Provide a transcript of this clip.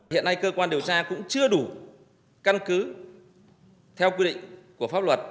hiện nay cơ quan điều tra cũng chưa đủ căn cứ theo quy định của pháp luật